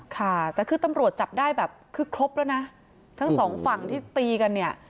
ค่ะแต่คือตำรวจจับได้แบบคือครบแล้วนะทั้งสองฝั่งที่ตีกันเนี่ย